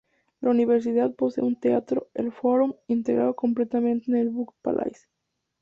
La universidad posee un teatro, el "Forum", integrado completamente en el Budge-Palais.